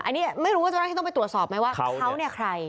อันนี้ไม่รู้ว่าจะต้องไปตรวจสอบไหมว่าเค้าเนี่ยใคร